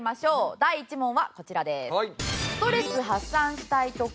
第１問はこちらです。